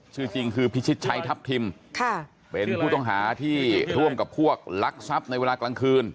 ชื่อจริงคือพิชิตชัยทัพทิมเป็นผู้ต้องหาที่ร่วมกับพวกลักทรัพย์ในเวลากลางคืน